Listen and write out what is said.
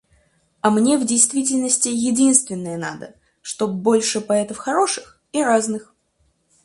А мне в действительности единственное надо — чтоб больше поэтов хороших и разных.